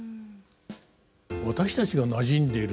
私たちがなじんでいる